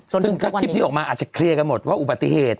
ซึ่งถ้าคลิปนี้ออกมาอาจจะเคลียร์กันหมดว่าอุบัติเหตุ